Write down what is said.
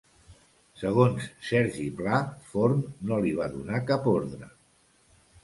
Segons Sergi Pla, Forn no li va donar cap ordre.